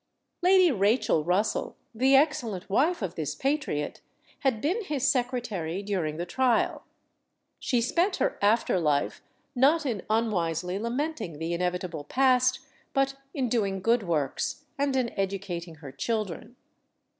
Lady Rachel Russell, the excellent wife of this patriot, had been his secretary during the trial. She spent her after life, not in unwisely lamenting the inevitable past, but in doing good works, and in educating her children.